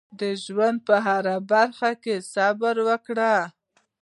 د ژوند په هره برخه کې صبر وکړئ.